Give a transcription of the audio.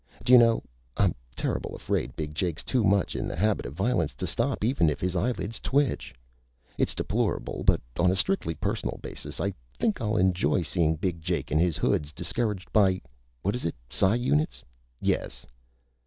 Do you know, I'm terrible afraid Big Jake's too much in the habit of violence to stop, even if his eyelids twitch? It's deplorable! But on a strictly personal basis I think I'll enjoy seein' Big Jake an' his hoods discouraged by ... what is it Psi units? Yes!"